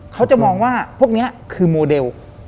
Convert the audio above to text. เขาจะมองว่าพวกนี้คือโมเดล